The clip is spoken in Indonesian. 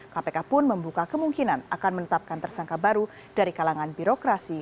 kpk pun membuka kemungkinan akan menetapkan tersangka baru dari kalangan birokrasi